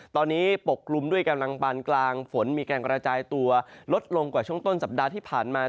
ตอนนี้ปกกลุ่มด้วยกำลังปานกลางฝนมีการกระจายตัวลดลงกว่าช่วงต้นสัปดาห์ที่ผ่านมา